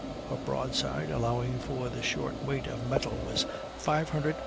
Her broadside, allowing for the short weight of metal was 542 lbs.